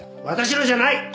私のじゃない！